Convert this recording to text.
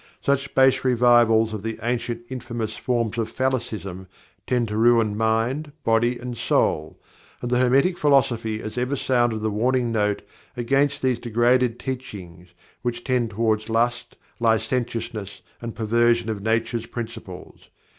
Such base revivals of the ancient infamous forms of Phallicism tend to ruin mind, body and soul, and the Hermetic Philosophy has ever sounded the warning note against these degraded teachings which tend toward lust, licentiousness, and perversion of Nature's principles.